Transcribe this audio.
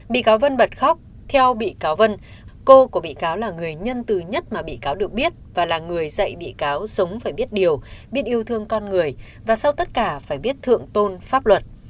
bị cáo vân bật khóc theo bị cáo vân cô của bị cáo là người nhân từ nhất mà bị cáo được biết và là người dạy bị cáo sống phải biết điều biết yêu thương con người và sau tất cả phải biết thượng tôn pháp luật